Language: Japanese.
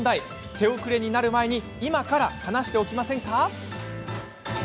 手遅れになる前に今から話しておきませんか？